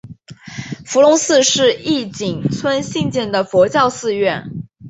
伏龙寺是义井村兴建的佛教寺院。